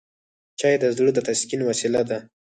چای د زړه د تسکین وسیله ده